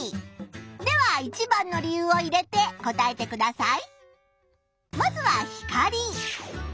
では一番の理由を入れて答えてください。